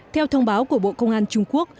theo thông báo của bộ công an trung quốc